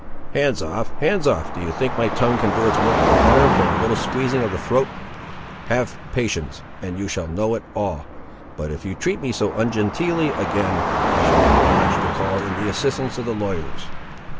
"Hands off—hands off—do you think my tongue can do its work the better, for a little squeezing of the throat! Have patience, and you shall know it all; but if you treat me so ungenteelly again, I shall be obliged to call in the assistance of the lawyers."